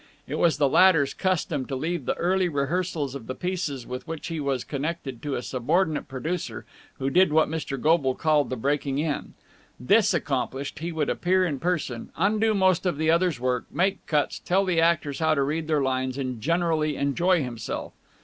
It was the latter's custom to leave the early rehearsals of the pieces with which he was connected to a subordinate producer, who did what Mr. Goble called the breaking in. This accomplished, he would appear in person, undo most of the other's work, make cuts, tell the actors how to read their lines, and generally enjoy himself.